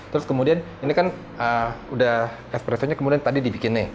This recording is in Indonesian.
terus kemudian ini kan espresso nya tadi dibuat nih